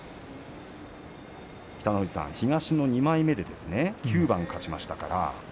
北の富士さん、東の２枚目９番勝ちました。